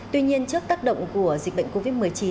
tuy nhiên trước tác động của dịch bệnh covid một mươi chín